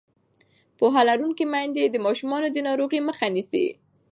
پوهه لرونکې میندې د ماشومانو د ناروغۍ مخه نیسي.